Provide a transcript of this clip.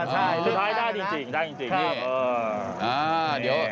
สุดท้ายได้จริงนี่นะครับ